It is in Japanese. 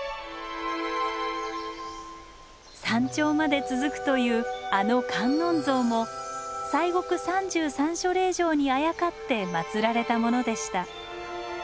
山頂まで続くというあの観音像も西国三十三所霊場にあやかって祀られたものでした。